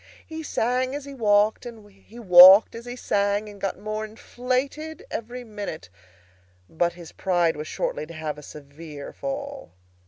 He sang as he walked, and he walked as he sang, and got more inflated every minute. But his pride was shortly to have a severe fall.